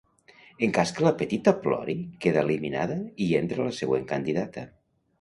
En cas que la petita plori, queda eliminada i entra la següent candidata.